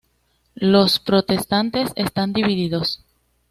Los protestantes están divididos.